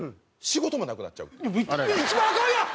一番アカンやん！